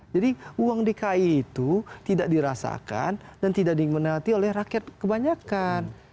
jadi uang dki itu tidak dirasakan dan tidak dimenuhi oleh rakyat kebanyakan